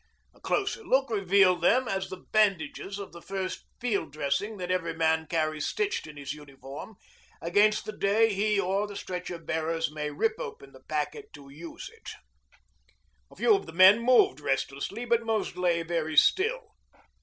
A closer look revealed them as the bandages of the first field dressing that every man carries stitched in his uniform against the day he or the stretcher bearers may rip open the packet to use it. A few of the men moved restlessly, but most lay very still.